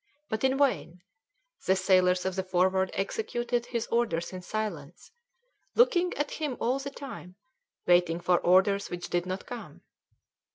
But in vain. The sailors of the Forward executed his orders in silence, looking at him all the time, waiting for orders which did not come.